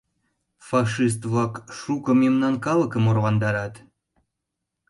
Фашист-влак шуко мемнан калыкым орландарат».